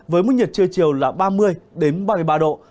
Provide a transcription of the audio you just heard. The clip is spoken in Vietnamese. với mức nhiệt trưa chiều là ba mươi ba mươi ba độ